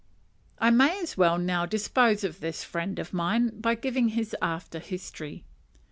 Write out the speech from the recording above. I may as well now dispose of this friend of mine, by giving his after history.